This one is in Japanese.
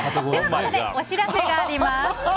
ここで、お知らせがあります。